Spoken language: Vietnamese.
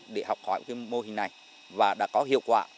để học hỏi mô hình này và đã có hiệu quả